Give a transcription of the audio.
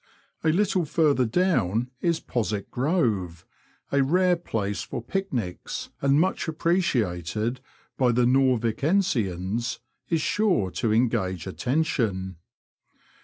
A little further down is Postwick grove, a rare place for picnics, and much appreciated by Norvicensians, is sure to engage attention.